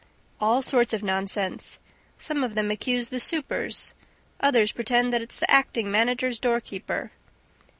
"All sorts of nonsense. Some of them accuse the supers. Others pretend that it's the acting manager's doorkeeper